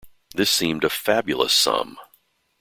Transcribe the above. This seemed a fabulous sum.